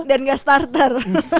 dan enggak starter